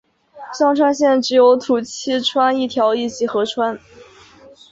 香川县只有土器川一条一级河川。